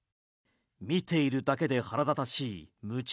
見ているだけで腹立たしい無賃